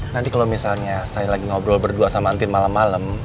nanti kalau misalnya saya lagi ngobrol berdua sama entin malem malem